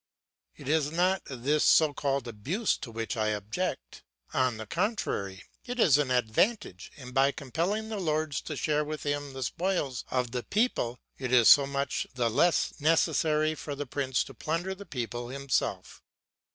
It is not this so called abuse to which I object; on the contrary, it is an advantage, and by compelling the lords to share with him the spoils of the people it is so much the less necessary for the prince to plunder the people himself.